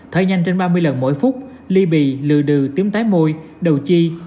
thở nhanh trên ba mươi lần mỗi phút ly bì lừa đừ tiếm tái môi đầu chi